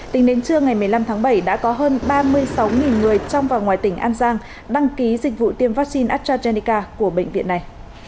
tính đến trưa ngày một mươi năm tháng bảy đã có hơn ba mươi sáu người trong và ngoài tỉnh an giang đăng ký dịch vụ tiêm vaccine astrazeneca của bệnh viện này